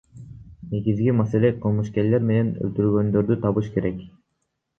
Негизги маселе кылмышкерлер менен өлтүргөндөрдү табыш керек.